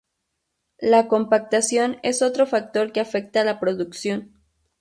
La compactación es otro factor que afecta a la producción.